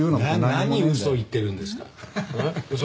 何笑ってるんですか。